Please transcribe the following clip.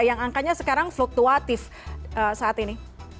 yang angkanya sekarang fluktuatif saat ini